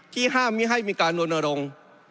ที่ห้ามไม่ให้มีการลง